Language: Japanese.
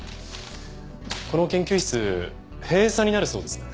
この研究室閉鎖になるそうですね。